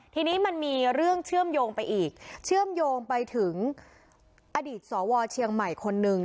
ทีนี้มันมีเรื่องเชื่อมโยงไปอีกเชื่อมโยงไปถึงอดีตสวเชียงใหม่คนหนึ่ง